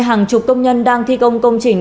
hàng chục công nhân đang thi công công trình